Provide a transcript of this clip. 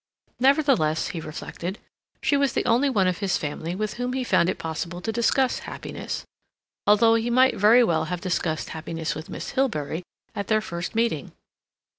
Nevertheless, he reflected, she was the only one of his family with whom he found it possible to discuss happiness, although he might very well have discussed happiness with Miss Hilbery at their first meeting.